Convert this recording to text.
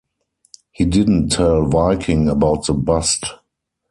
He didn't tell Viking about the bust.